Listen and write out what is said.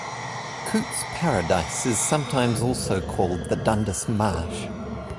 Cootes Paradise is sometimes also called the Dundas Marsh.